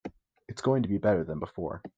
It is going to be better than before.